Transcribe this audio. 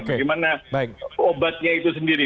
bagaimana obatnya itu sendiri